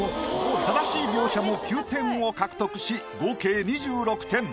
正しい描写も９点を獲得し合計２６点。